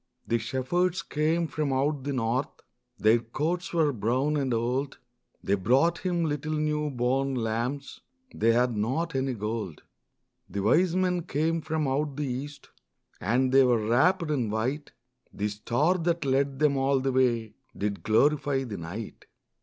The shepherds came from out the north, Their coats were brown and old, They brought Him little new born lambs They had not any gold. The wise men came from out the east, And they were wrapped in white; The star that led them all the way Did glorify the night.